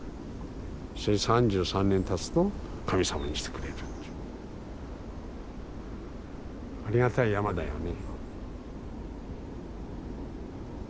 ３３年たつと神様にしてくれるというありがたい山だよね。